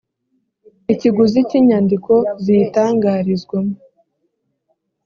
ikiguzi cy inyandiko ziyitangarizwamo